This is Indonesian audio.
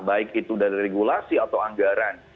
baik itu dari regulasi atau anggaran